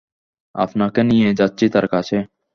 আপনাকে নিয়ে যাচ্ছি তার কাছে।